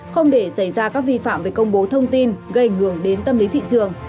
không để xảy ra các vi phạm về công bố thông tin gây ảnh hưởng đến tâm lý thị trường